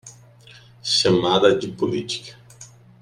Chamada de política